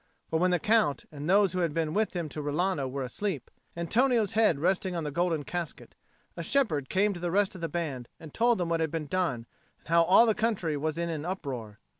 For when the Count and those who had been with him to Rilano were asleep, Antonio's head resting on the golden casket, a shepherd came to the rest of the band and told them what had been done and how all the country was in an uproar.